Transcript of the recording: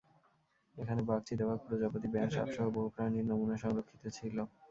এখানে বাঘ, চিতাবাঘ, প্রজাপতি, ব্যাঙ, সাপসহ বহু প্রাণীর নমুনা সংরক্ষিত ছিল।